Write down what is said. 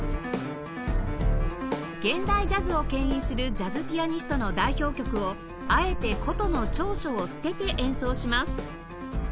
現代ジャズを牽引するジャズピアニストの代表曲をあえて箏の長所を捨てて演奏します